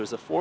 từ hà nội